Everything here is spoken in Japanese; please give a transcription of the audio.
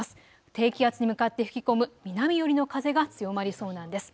低気圧に向かって吹き込む南寄りの風が強まりそうなんです。